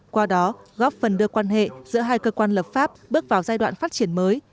qua đó góp phần đưa quan hệ giữa hai cơ quan lập pháp bước vào giai đoạn phát triển mới